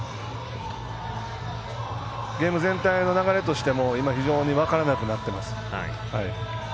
ゲーム全体の流れとしても今、非常に分からなくなってます。